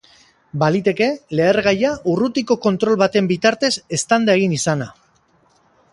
Baliteke lehergaia urrutiko kontrol baten bitartez eztanda egin izana.